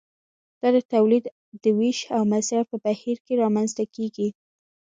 دا د تولید د ویش او مصرف په بهیر کې رامنځته کیږي.